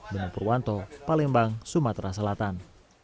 benang purwanto palembang sumatera selatan